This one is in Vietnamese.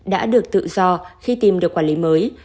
đã được tự do khi tìm được quản lý mới